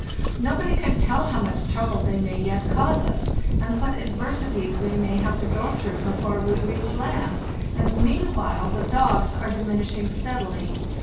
No body can tell how much trouble they may yet cause us, and what adversities we may have to go through before we reach land; and meanwhile the dogs are diminishing steadily.